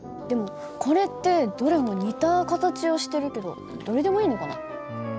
でもこれってどれも似た形をしてるけどどれでもいいのかな？